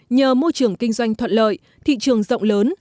nhờ môi trường kinh doanh thuận lợi thị trường rộng lớn